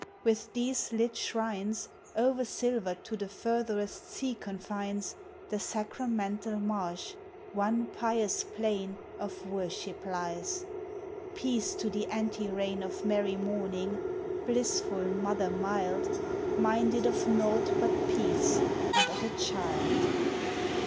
With these lit shrines O'er silvered to the furtherest sea confines, The sacramental marsh, one pious plain Of worship lies. Peace to the ante reign Of Mary Morning, blissful mother mild, Minded of naught but peace and of a Child.